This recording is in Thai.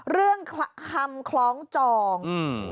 เรื่องคำคล้องจอง